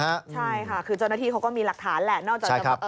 ใช่ค่ะคือเจ้าหน้าที่เขาก็มีหลักฐานแหละ